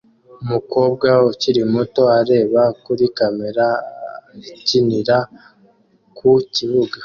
umukobwa ukiri muto areba kuri kamera akinira ku kibuga